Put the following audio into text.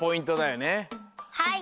はい！